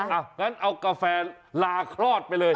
อะเค้าก็เอากาแฟลาครอตไปเลย